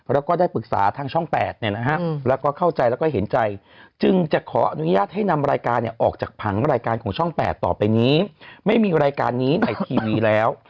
แล้วก็ได้ปรึกษาทางช่อง๘แล้วก็เข้าใจแล้วก็เห็นใจจึงจะขออนุญาตให้นำรายการออกจากผังรายการของช่อง๘ต่อไปนี้ไม่มีรายการนี้ในทีวีแล้ว